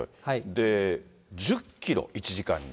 で、１０キロ、１時間に。